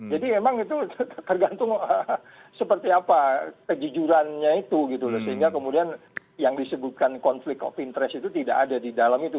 jadi memang itu tergantung seperti apa kejujurannya itu gitu sehingga kemudian yang disebutkan konflik of interest itu tidak ada di dalam itu